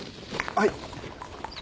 はい。